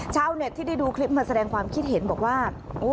ชาวเน็ตที่ได้ดูคลิปมาแสดงความคิดเห็นบอกว่า